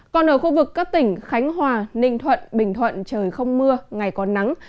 còn ở khu vực các tỉnh khánh hòa ninh thuận bình thuận trời không mưa ngày có nắng